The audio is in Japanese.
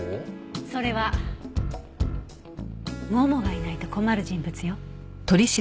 それはももがいないと困る人物よ。